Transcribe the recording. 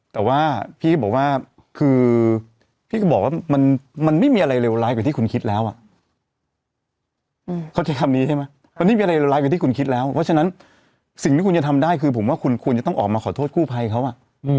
แต่ว่าพี่ก็บอกว่าคือพี่ก็บอกว่ามันไม่มีอะไรเลวร้ายกว่าที่คุณคิดแล้วอ่ะเขาใช้คำนี้ใช่ไหมมันไม่มีอะไรเลวร้ายกว่าที่คุณคิดแล้วเพราะฉะนั้นสิ่งที่คุณจะทำได้คือผมว่าคุณควรจะต้องออกมาขอโทษกู้ภัยเขาอ่ะ